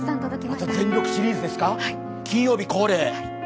また全力シリーズですか、金曜日恒例。